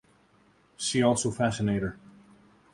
See also Fascinator.